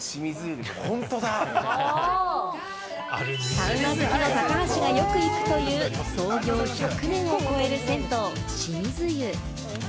サウナ好きの高橋がよく行くという、創業１００年を超える銭湯・清水湯。